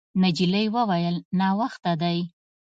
نجلۍ وویل: «ناوخته دی.»